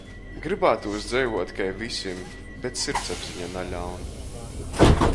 Grybātūs dzeivuot kai vysim, bet sirdsapziņa naļaun!